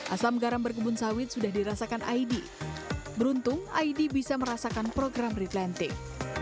asam garam berkebun sawit sudah dirasakan id beruntung id bisa merasakan program replanting